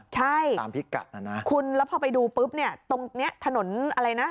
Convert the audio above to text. ใช่คุณแล้วพอไปดูปุ๊บตรงนี้ถนนอะไรนะ